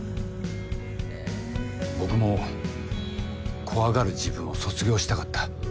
僕も怖がる自分を卒業したかった。